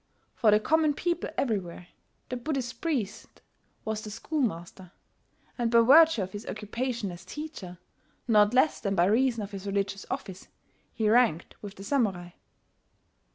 For the common people everywhere the Buddhist priest was the schoolmaster; and by virtue of his occupation as teacher, not less than by reason of his religious office, he ranked with the samurai.